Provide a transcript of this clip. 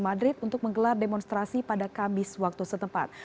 madrid untuk menggelar demonstrasi pada kamis waktu setempat